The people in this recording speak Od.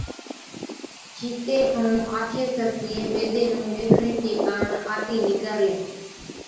چِيتي ائُون آڇين سَسِيئَين بيدي نُون ڏيکڻي چي ڪاڻ آتِي نِڪرلين۔